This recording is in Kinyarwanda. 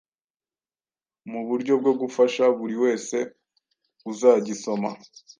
mu buryo bwo gufasha buri wese uzagisoma,